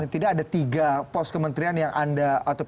tidak ada tiga pos kementerian yang anda atau pd perjuangan sudah menang